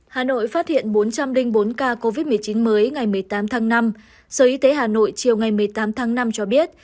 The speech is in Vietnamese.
hà nội phát hiện bốn trăm linh bốn ca covid một mươi chín mới ngày một mươi tám tháng năm sở y tế hà nội chiều ngày một mươi tám tháng năm cho biết